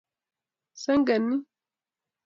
senge ni